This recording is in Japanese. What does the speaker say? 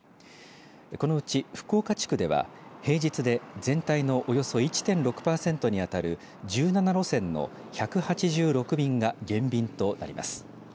このうち福岡地区では平日で全体のおよそ１．６パーセントに当たる１７路線の１８６便が減便となります。